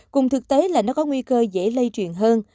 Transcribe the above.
cùng thực tế là nó có nguy cơ dễ lây truyền hơn